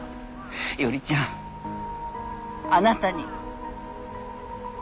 伊織ちゃんあなたに。